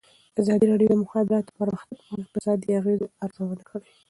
ازادي راډیو د د مخابراتو پرمختګ په اړه د اقتصادي اغېزو ارزونه کړې.